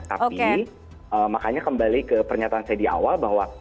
tapi makanya kembali ke pernyataan saya di awal bahwa